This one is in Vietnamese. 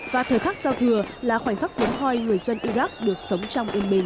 và thời khắc giao thừa là khoảnh khắc đúng hoi người dân iraq được sống trong yên mình